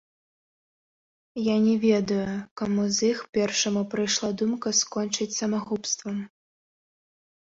Я не ведаю, каму з іх першаму прыйшла думка скончыць самагубствам.